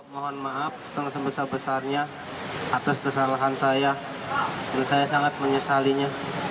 mohon maaf sebesar besarnya atas kesalahan saya dan saya sangat menyesalinya